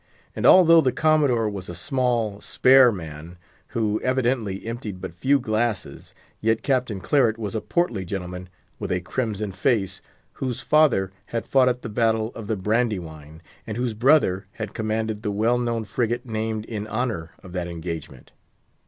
And although the Commodore was a small, spare man, who evidently emptied but few glasses, yet Captain Claret was a portly gentleman, with a crimson face, whose father had fought at the battle of the Brandywine, and whose brother had commanded the well known frigate named in honour of that engagement.